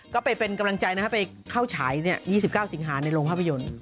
ก็ไปเป็นกำลังใจนะครับไปเข้าฉาย๒๙สิงหาในโรงภาพยนตร์